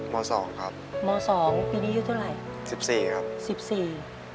มสองครับมสองปีนี้อายุเท่าไหร่สิบสี่ครับสิบสี่